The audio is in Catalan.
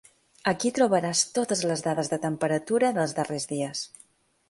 Aquí trobaràs totes les dades de temperatura dels darrers dies.